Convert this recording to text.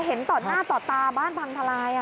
เห็นต่อหน้าต่อตาบ้านพังทลาย